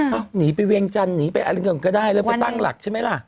ฮะหนีไปเวียงจันทร์หรืออะไรเหมือนกันก็ได้ละตั้งหลักใช่ไหมล้ะ